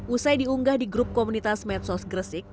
usai diunggah di grup komunitas medsos gresik